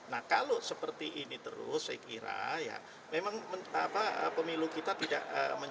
nah kalau seperti ini terus saya kira ya memang pemilu kita tidak